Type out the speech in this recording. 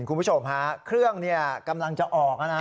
คุณผู้ชมฮะเครื่องกำลังจะออกนะ